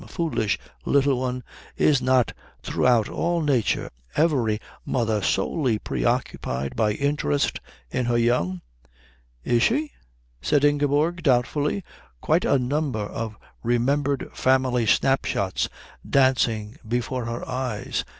"Foolish Little One, is not throughout all nature every mother solely preoccupied by interest in her young?" "Is she?" said Ingeborg doubtfully, quite a number of remembered family snapshots dancing before her eyes.